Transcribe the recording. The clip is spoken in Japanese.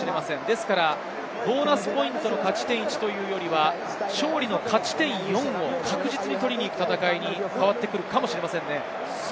ですからボーナスポイントの勝ち点１というよりは勝利の勝ち点４を、確実に取りに行く戦いに変わってくるかもしれませんね。